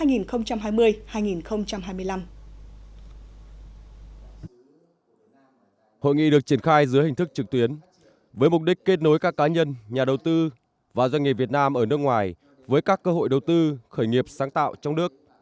hội nghị được triển khai dưới hình thức trực tuyến với mục đích kết nối các cá nhân nhà đầu tư và doanh nghiệp việt nam ở nước ngoài với các cơ hội đầu tư khởi nghiệp sáng tạo trong nước